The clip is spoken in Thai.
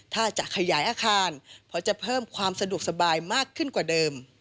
ถ้าจะขยายอาคารเพราะจะเพิ่มความสะดวกสบายมากขึ้นกว่าเดิม